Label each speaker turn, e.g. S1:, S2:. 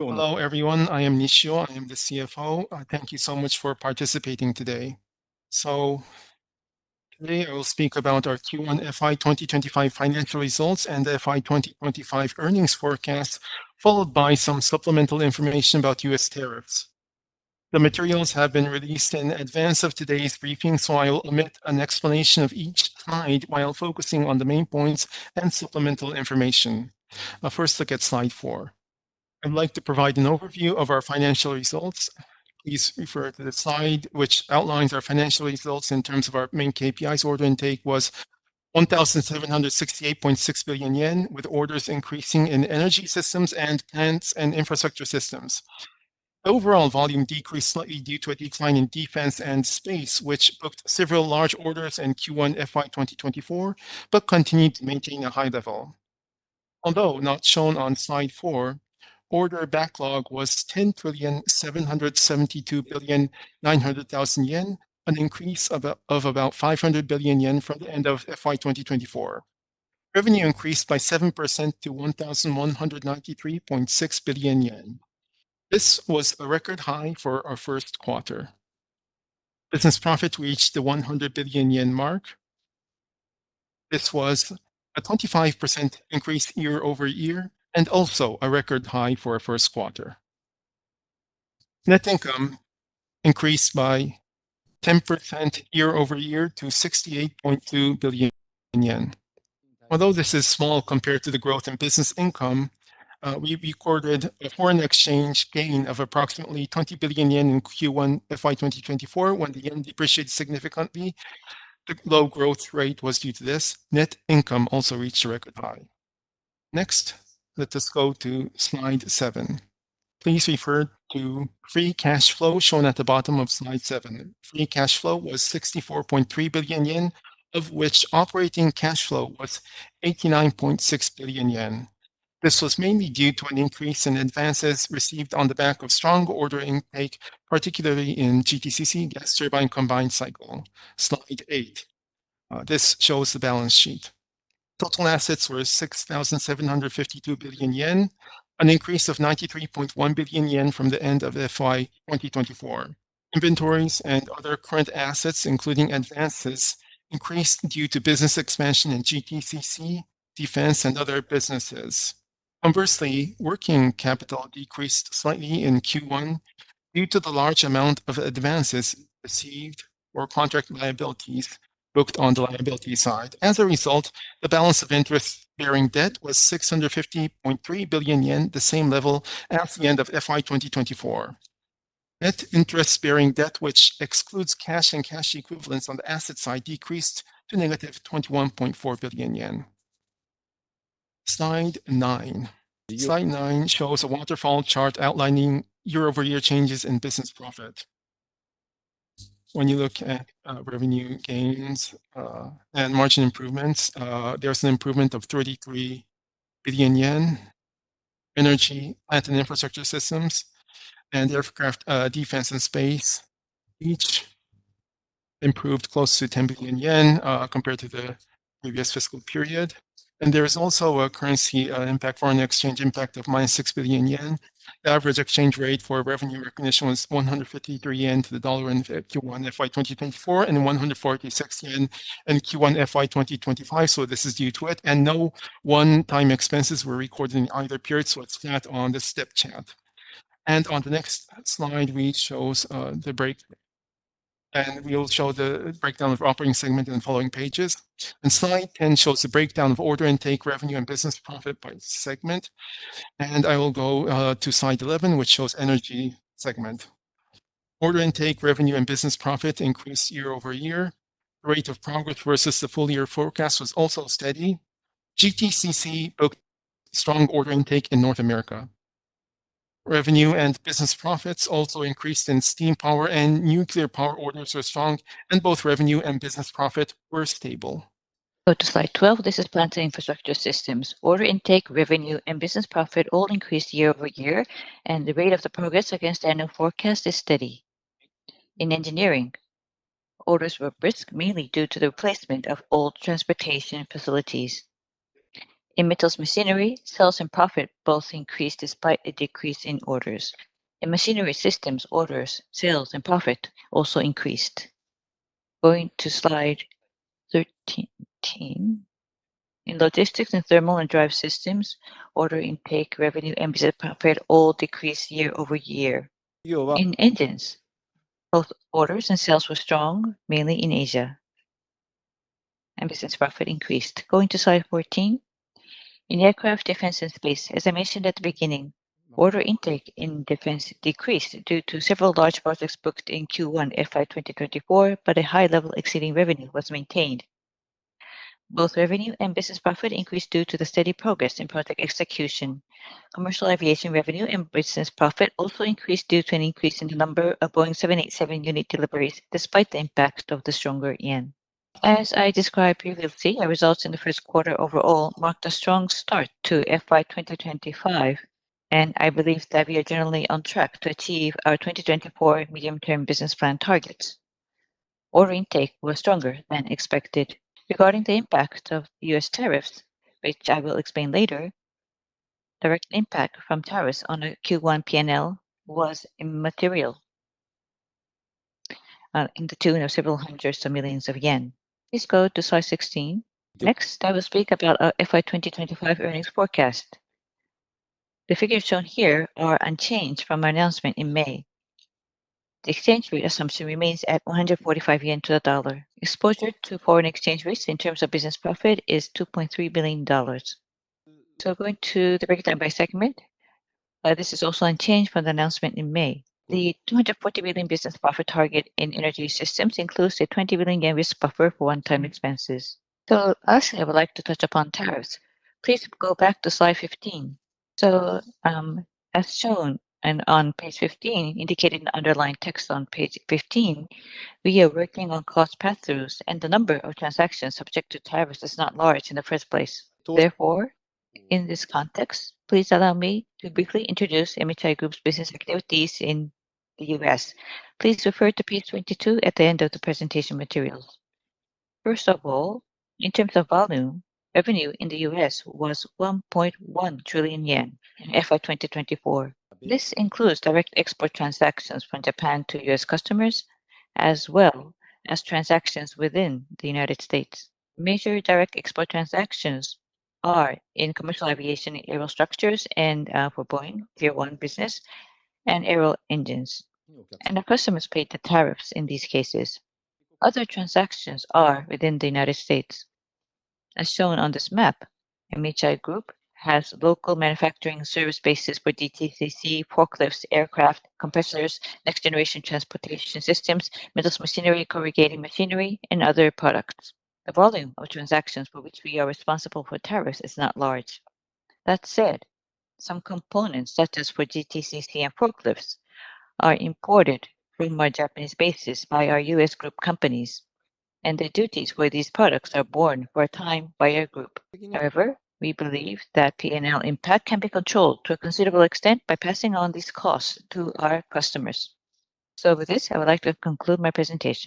S1: Hello, everyone. I am Nishio. I am the CFO. Thank you so much for participating today. Today I will speak about our Q1 FY 2025 financial results and the FY 2025 earnings forecast, followed by some supplemental information about U.S. tariffs. The materials have been released in advance of today's briefing, so I will omit an explanation of each slide while focusing on the main points and supplemental information. Now, first, look at slide four. I would like to provide an overview of our financial results. Please refer to the slide which outlines our financial results in terms of our main KPIs. Order intake was 1,768.6 billion yen, with orders increasing in energy systems and plants and infrastructure systems. The overall volume decreased slightly due to a decline in defense and space, which booked several large orders in Q1 FY 2024, but continued to maintain a high level. Although not shown on slide four, order backlog was 10,772.9 billion yen, an increase of about 500 billion yen from the end of FY 2024. Revenue increased by 7% to 1,193.6 billion yen. This was a record high for our first quarter. Business profit reached the 100 billion yen mark. This was a 25% year-over-year and also a record high for our first quarter. Net income increased by year-over-year to 68.2 billion yen. Although this is small compared to the growth in business income, we recorded a foreign exchange gain of approximately 20 billion yen in Q1 FY 2024 when the yen depreciated significantly. The low growth rate was due to this. Net income also reached a record high. Next, let us go to slide seven. Please refer to free cash flow shown at the bottom of slide seven. Free cash flow was 64.3 billion yen, of which operating cash flow was 89.6 billion yen. This was mainly due to an increase in advances received on the back of strong order intake, particularly in GTCC (Gas Turbine Combined Cycle). Slide eight. This shows the balance sheet. Total assets were 6,752 billion yen, an increase of 93.1 billion yen from the end of FY 2024. Inventories and other current assets, including advances, increased due to business expansion in GTCC, defense, and other businesses. Conversely, working capital decreased slightly in Q1 due to the large amount of advances received or contract liabilities booked on the liability side. As a result, the balance of interest-bearing debt was 650.3 billion yen, the same level as the end of FY 2024. Net interest-bearing debt, which excludes cash and cash equivalents on the asset side, decreased to -21.4 billion yen. Slide nine. Slide nine shows a waterfall chart outlining year-over-year changes in business profit. When you look at revenue gains and margin improvements, there's an improvement of 33 billion yen. Energy and infrastructure systems and aircraft, defense, and space each improved close to 10 billion yen compared to the previous fiscal period. There's also a currency impact, foreign exchange impact of -6 billion yen. The average exchange rate for revenue recognition was 153 yen to the dollar in Q1 FY 2024 and 146 yen in Q1 FY 2025. This is due to it. No one-time expenses were recorded in either period. It's that on this step chart. On the next slide, which shows the breakdown, we will show the breakdown of operating segment in the following pages. Slide ten shows the breakdown of order intake, revenue, and business profit by segment. I will go to slide 11, which shows energy segment. Order intake, revenue, and business profit year-over-year. The rate of progress versus the full year forecast was also steady. GTCC booked strong order intake in North America. Revenue and business profits also increased in steam power and nuclear power. Orders were strong, and both revenue and business profit were stable.
S2: Go to slide 12. This is plants and infrastructure systems. Order intake, revenue, and business profit all year-over-year, and the rate of the progress against annual forecast is steady. In engineering, orders were brisk, mainly due to the replacement of old transportation facilities. In metals machinery, sales and profit both increased despite a decrease in orders. In machinery systems, orders, sales, and profit also increased. Going to slide 13. In logistics and thermal and drive systems, order intake, revenue, and business profit all year-over-year. In engines, both orders and sales were strong, mainly in Asia, and business profit increased. Going to slide 14. In aircraft, defense, and space, as I mentioned at the beginning, order intake in defense decreased due to several large projects booked in Q1 FY 2024, but a high level exceeding revenue was maintained. Both revenue and business profit increased due to the steady progress in project execution. Commercial aviation revenue and business profit also increased due to an increase in the number of Boeing 787 unit deliveries, despite the impact of the stronger yen. As I described previously, our results in the first quarter overall marked a strong start to FY 2025, and I believe that we are generally on track to achieve our 2024 medium-term business plan targets. Order intake was stronger than expected. Regarding the impact of U.S. tariffs, which I will explain later, the direct impact from tariffs on the Q1 P&L was immaterial, in the tune of several hundreds to millions of yen. Please go to slide 16. Next, I will speak about our FY 2025 earnings forecast. The figures shown here are unchanged from our announcement in May. The exchange rate assumption remains at 145 yen to the dollar. Exposure to foreign exchange risk in terms of business profit is $2.3 billion. Going to the breakdown by segment, this is also unchanged from the announcement in May. The 240 billion business profit target in energy systems includes a 20 billion yen risk buffer for one-time expenses. As I would like to touch upon tariffs, please go back to slide 15. As shown on page 15, indicated in the underlying text on page 15, we are working on cost pass-throughs, and the number of transactions subject to tariffs is not large in the first place. Therefore, in this context, please allow me to briefly introduce MHI Group's business activities in the U.S. Please refer to page 22 at the end of the presentation materials. First of all, in terms of volume, revenue in the U.S. was 1.1 trillion yen in FY 2024. This includes direct export transactions from Japan to U.S. customers, as well as transactions within the United States. Major direct export transactions are in commercial aviation, aero structures, and for Boeing tier one business and aero engines. Our customers paid the tariffs in these cases. Other transactions are within the United States. As shown on this map, MHI Group has local manufacturing service bases for GTCC, forklifts, aircraft, compressors, next-generation transportation systems, metals machinery, corrugated machinery, and other products. The volume of transactions for which we are responsible for tariffs is not large. That said, some components, such as for GTCC and forklifts, are imported from our Japanese bases by our U.S. group companies, and the duties for these products are borne for a time by our group. However, we believe that P&L impact can be controlled to a considerable extent by passing on these costs to our customers. With this, I would like to conclude my presentation.